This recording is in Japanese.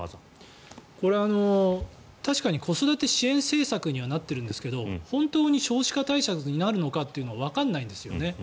これ、確かに子育て支援政策にはなっているんですが本当に少子化対策になるかはわからないんですよね。